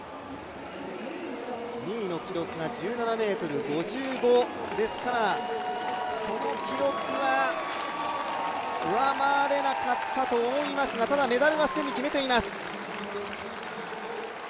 ２位の記録が１７ｍ５５ですからその記録は上回れなかったと思いますがただ、メダルは既に決めています。